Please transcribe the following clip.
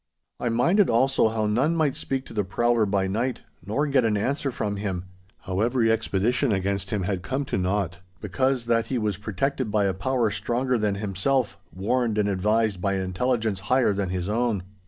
I minded also how none might speak to the prowler by night, nor get answer from him—how every expedition against him had come to naught, because that he was protected by a power stronger than himself, warned and advised by an intelligence higher than his own.